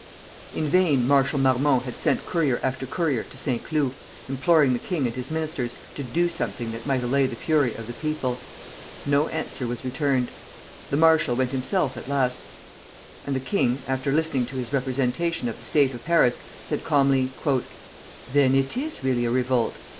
In vain Marshal Marmont had sent courier after courier to Saint Cloud, imploring the king and his ministers to do something that might allay the fury of the people. No answer was returned. The marshal went himself at last, and the king, after listening to his representation of the state of Paris, said calmly: "Then it is really a revolt?"